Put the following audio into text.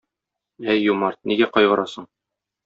Әй, юмарт, нигә кайгырасың?